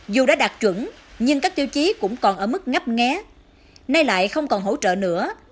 dù đã đạt chuẩn nhưng các tiêu chí cũng còn ở mức ngắp nghé nay lại không còn hỗ trợ nữa